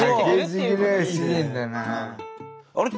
あれ？